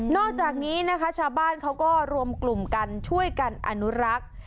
อกจากนี้นะคะชาวบ้านเขาก็รวมกลุ่มกันช่วยกันอนุรักษ์